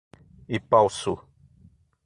Ipaussu